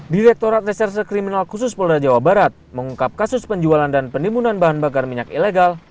direktorat reserse kriminal khusus polda jawa barat mengungkap kasus penjualan dan penimbunan bahan bakar minyak ilegal